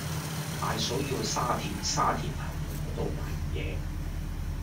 大嫂要去沙田沙田頭路嗰度買啲嘢